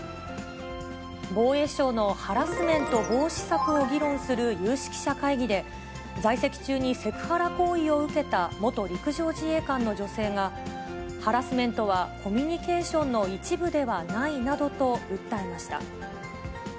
防衛省のハラスメント防止策を議論する有識者会議で、在籍中にセクハラ行為を受けた元陸上自衛官の女性が、ハラスメントはコミュニケーションの一部ではないなどと訴えました。